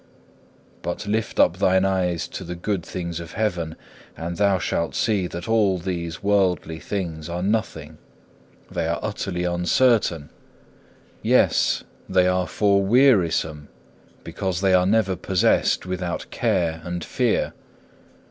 But lift up thine eyes to the good things of heaven, and thou shalt see that all these worldly things are nothing, they are utterly uncertain, yea, they are wearisome, because they are never possessed without care and fear.